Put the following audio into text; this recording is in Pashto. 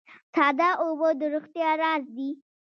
ساده اوبه د روغتیا راز دي